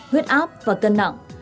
huyết áp và cân nặng